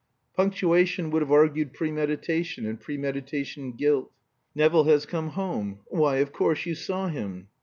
Punctuation would have argued premeditation, and premeditation guilt. "Nevill has come home why of course you saw him."